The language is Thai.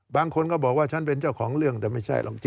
บางคนก็บอกว่าฉันเป็นเจ้าของเรื่องแต่ไม่ใช่หรอก